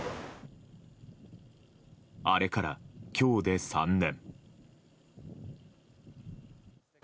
あれから今日で、３年。